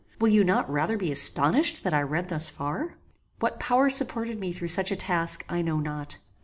Will you not rather be astonished that I read thus far? What power supported me through such a task I know not.